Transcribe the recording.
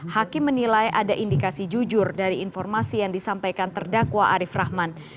hakim menilai ada indikasi jujur dari informasi yang disampaikan terdakwa arief rahman